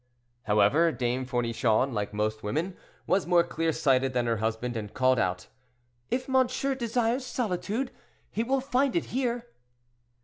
However, Dame Fournichon, like most women, was more clear sighted than her husband, and called out, "If monsieur desires solitude, he will find it here."